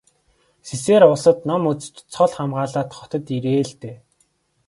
Сэсээр улсад ном үзэж цол хамгаалаад хотод ирээ л дээ.